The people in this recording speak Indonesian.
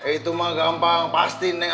itu mah gampang pasti nek